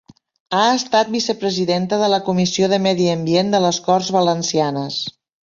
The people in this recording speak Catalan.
Ha estat vicepresidenta de la Comissió de Medi Ambient de les Corts Valencianes.